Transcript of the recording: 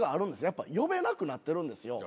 やっぱ呼べなくなってるんですよ。